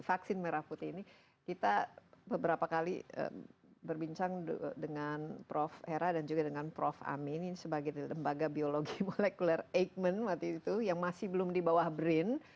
vaksin merah putih ini kita beberapa kali berbincang dengan prof hera dan juga dengan prof amin sebagai lembaga biologi molekuler eijkman waktu itu yang masih belum di bawah brin